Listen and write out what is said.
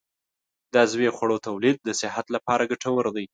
د عضوي خوړو تولید د صحت لپاره ګټور دی.